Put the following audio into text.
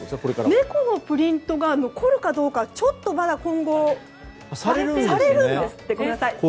猫のプリントが残るかどうかはちょっと今後されるんですって。